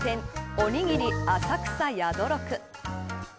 おにぎり浅草・宿六。